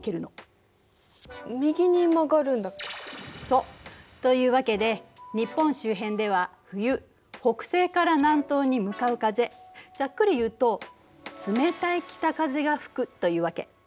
そう。というわけで日本周辺では冬北西から南東に向かう風ざっくり言うと冷たい北風が吹くというわけ。